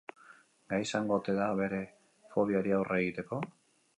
Gai izango ote da bere fobiari aurre egiteko?